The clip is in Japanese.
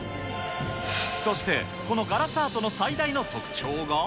そして、このガラスアートの最大の特徴が。